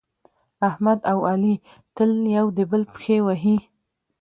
احمد او علي تل یو د بل پښې وهي.